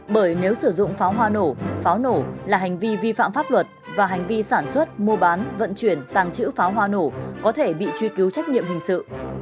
bởi nếu sử dụng pháo hoa nổ pháo nổ là hành vi vi phạm pháp luật và hành vi sản xuất mua bán vận chuyển tàng trữ pháo hoa nổ có thể bị truy cứu trách nhiệm hình sự